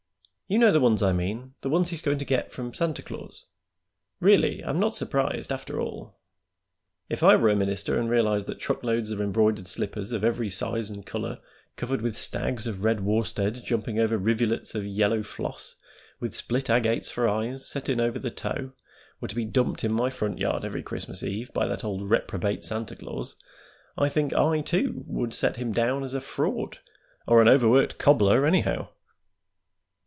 "You know the ones I mean the ones he's going to get from Santa Claus. Really, I'm not surprised, after all. If I were a minister, and realized that truckloads of embroidered slippers of every size and color, covered with stags of red worsted jumping over rivulets of yellow floss, with split agates for eyes set in over the toe, were to be dumped in my front yard every Christmas Eve by that old reprobate, Santa Claus, I think I, too, would set him down as a fraud, or an overworked cobbler, anyhow."